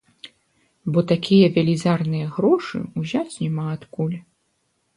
Бо такія велізарныя грошы ўзяць няма адкуль.